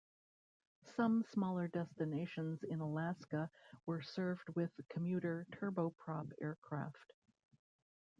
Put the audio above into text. Some smaller destinations in Alaska were served with commuter turboprop aircraft.